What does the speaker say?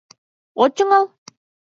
От тӱҥал?